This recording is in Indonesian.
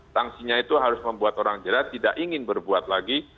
sanksinya itu harus membuat orang jerat tidak ingin berbuat lagi